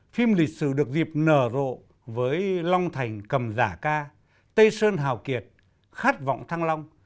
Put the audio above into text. phim lịch sử được dịp nở rộ với long thành cầm giả ca tây sơn hào kiệt khát vọng thăng long